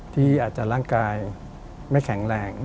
ที่อาจจะร่างกายไม่แข็งแรง